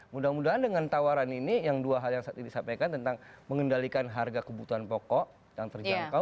mudah mudahan dengan tawaran ini yang dua hal yang disampaikan tentang mengendalikan harga kebutuhan pokok yang terjangkau